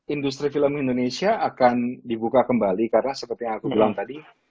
industri film indonesia akan dibuka kembali karena seperti yang aku bilang tadi